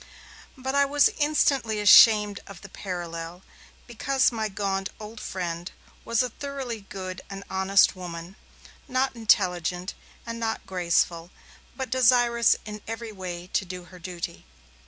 But I was instantly ashamed of the parallel, because my gaunt old friend was a thoroughly good and honest woman, not intelligent and not graceful, but desirous in every way to do her duty.